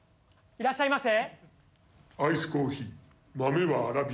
いらっしゃいませ。